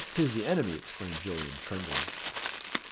'tis the Enemy!" exclaimed Gillian, trembling.